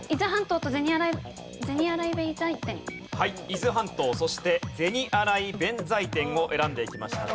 伊豆半島そして銭洗弁財天を選んでいきました。